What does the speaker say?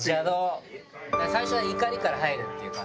最初は怒りから入るっていうか